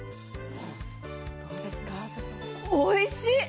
おいしい！